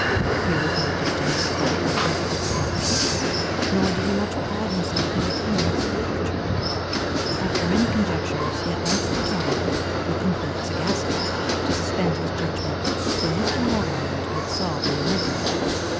He was neither distinguished by the elegance of his accomplishments, nor did he much pride himself in the attainments of literature. After many conjectures, he at length determined with infinite sagacity, to suspend his judgement, till Mr. Moreland mould solve the enigma.